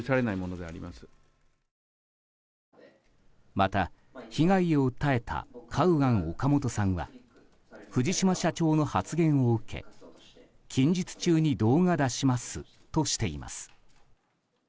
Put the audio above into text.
また、被害を訴えたカウアン・オカモトさんは藤島社長の発言を受け、近日中に動画出しますとしています。